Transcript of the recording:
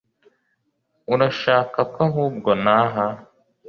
urashaka ko ahubwo ntaha